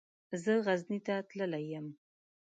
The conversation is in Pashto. زه غزني ته تللی يم.